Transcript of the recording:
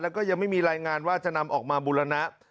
แล้วก็ยังไม่มีรายงานว่าจะนำออกมาบุรณะ